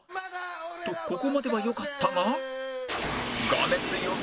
とここまではよかったが